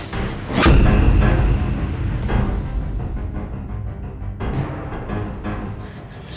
siapa yang taruh air panas